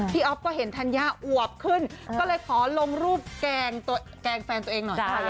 อ๊อฟก็เห็นธัญญาอวบขึ้นก็เลยขอลงรูปแกล้งแฟนตัวเองหน่อย